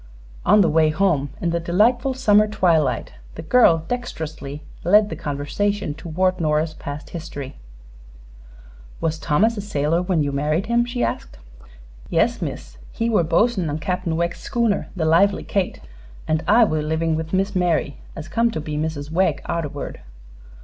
On the way home, in the delightful summer twilight, the girl dexterously led the conversation toward Nora's past history. "Was Thomas a sailor when you married him?" she asked. "Yes, miss. He were bos'n on Cap'n Wegg's schooner the 'Lively Kate,' an' I were livin' with Miss Mary, as come to be Mrs. Wegg arterward."